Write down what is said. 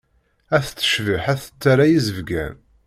Ad tettcebbiḥ ad tettarra izebgan.